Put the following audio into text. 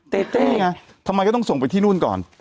เต้เต้ไงทำไมก็ต้องส่งไปที่นู่นก่อน